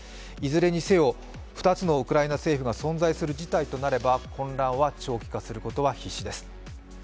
いずれにせよ２つのウクライナ政府が存在する事態となれば混乱は長期化することは必至です。